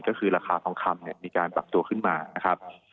ก็คือราคาทองคำเนี่ยมีการปรับตัวขึ้นมานะครับ